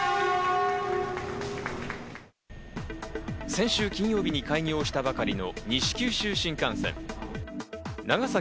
先週金曜日に開業したばかりの西九州新幹線。